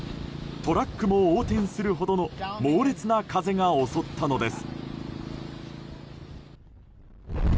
トラックも横転するほどの猛烈な風が襲ったのです。